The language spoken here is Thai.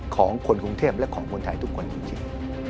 ของคนกรุงเทพและของคนไทยทุกคนจริง